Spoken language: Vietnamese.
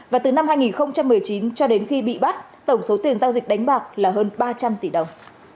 và từ năm hai nghìn một mươi chín cho đến khi bị bắt tổng số tiền giao dịch đánh bạc là hơn ba trăm linh tỷ đồng